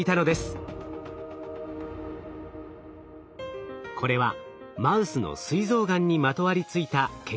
これはマウスのすい臓がんにまとわりついた血管の様子を捉えた映像。